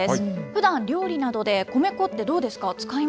ふだん、料理などで米粉って、どうですか？